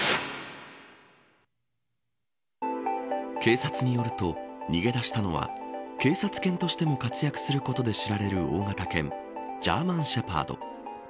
警察によると、逃げ出したのは警察犬としても活躍することで知られる大型犬ジャーマン・シェパード。